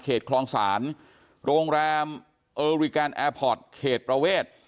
คลองศาลโรงแรมเออริกันแอร์พอร์ตเขตประเวท